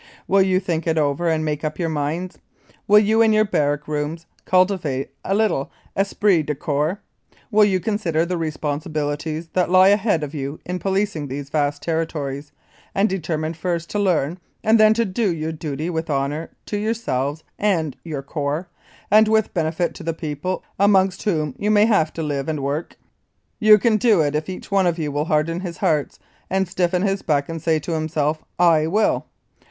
Will you think it over and make up your minds ? Will you, in your barrack rooms, cultivate a little esprit de corps? Will you consider the responsibilities that lie ahead of you in policing these vast territories, and determine first to learn and then to do your duty with honour to your selves and your corps and with benefit to the people amongst whom you may have to live and work? You can do it if each one of you will harden his heart and stiffen his back and say to himself ' I will.'